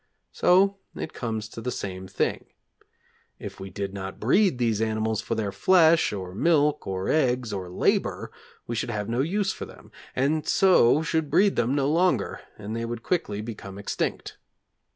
So it comes to the same thing. If we did not breed these animals for their flesh, or milk, or eggs, or labour, we should have no use for them, and so should breed them no longer, and they would quickly become extinct.